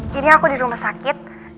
jadi aku di rumah sakit